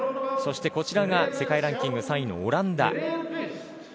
そしてこちらが世界ランキング３位のオランダ。